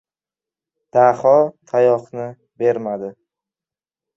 Daho tayoqni bermadi.